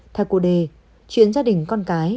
thay cô đề chuyện gia đình con cái